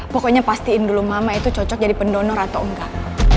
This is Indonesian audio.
pokoknya pastiin dulu mama itu cocok jadi pendonor atau enggak